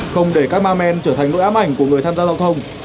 không để các ma men trở thành nỗi ám ảnh của người tham gia giao thông